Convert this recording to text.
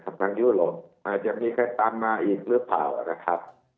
ทางยุโรปอาจจะมีใครตามมาอีกหรือเปล่านะครับ